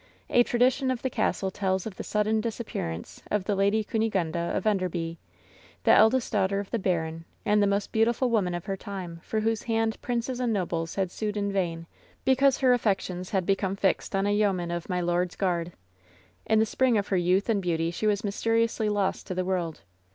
A tradition of the castle tells of the sudden disappearance of the Lady Cuni gunda of Enderby, the eldest daughter of the baron and the most beautiful wotnan of her time, for whose hand princes and nobles had sued in vain, because her affec tions had become fixed on a yeoman of my lord's guard. 860 LOVE'S BITTEREST CUP In the spring of her youth and beauty she was mys teriously lost to the world.